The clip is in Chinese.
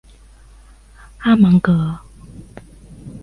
阿芒格。